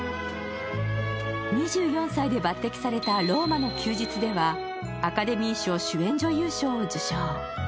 ２４歳で抜てきされた「ローマの休日」では、アカデミー賞主演女優賞を受賞。